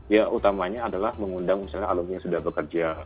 ya utamanya adalah mengundang misalnya alumni yang sudah bekerja